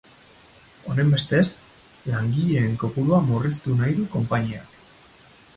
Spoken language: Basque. Honenbestez, langileen kopurua murriztu nahi du konpainiak.